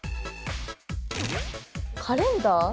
カレンダー？